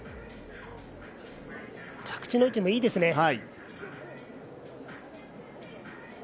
着地の位置もいいですね。